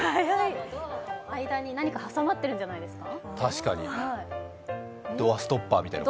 ドアとドアの間に何か挟まってるんじゃないですか。